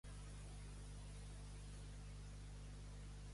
El que es muny és llet i sang el que s'esprem.